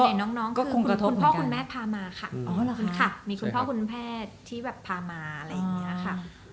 ส่วนใหญ่น้องคือคุณพ่อคุณแม่พามาค่ะมีคุณพ่อคุณแพทย์ที่แบบพามาอะไรอย่างนี้ค่ะ